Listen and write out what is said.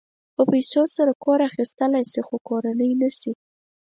په پیسو سره کور اخيستلی شې خو کورنۍ نه شې.